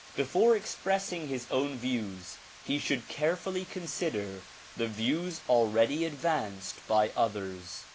Before expressing his own views he should carefully consider the views already advanced by others.